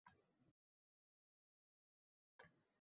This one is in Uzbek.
Hozir yaxshi